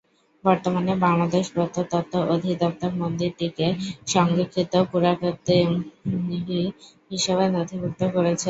বর্তমানে বাংলাদেশ প্রত্নতত্ত্ব অধিদপ্তর মন্দিরটিকে সংরক্ষিত পুরাকীর্তি হিসেবে নথিভূক্ত করেছে।